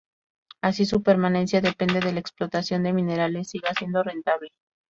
Así, su permanencia depende de la explotación de minerales siga siendo rentable.